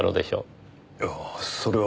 いやあそれは。